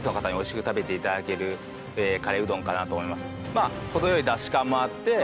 まあ程良いだし感もあって。